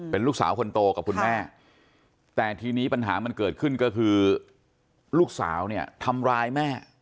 เป็นลูกสาวคนโตกับคุณแม่แต่ทีนี้ปัญหามันเกิดขึ้นก็คือลูกสาวเนี่ยทำร้ายแม่